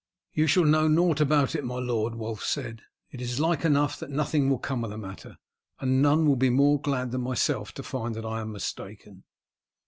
"You shall know nought about it, my lord," Wulf said. "It is like enough that nothing will come of the matter, and none will be more glad than myself to find that I am mistaken."